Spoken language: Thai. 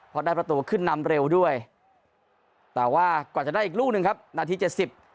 เพราะได้ประตูขึ้นนำเร็วด้วยแต่ว่ากว่าจะได้อีกลูกหนึ่งครับนาทีเจ็ดสิบ